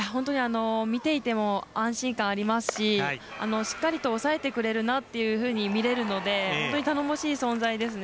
見ていても安心感ありますししっかりと抑えてくれるなと見れるので本当に頼もしい存在ですね。